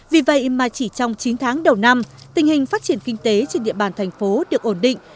vì vậy mà chỉ trong chín tháng đầu năm tình hình phát triển kinh tế trên địa bàn thành phố được ổn định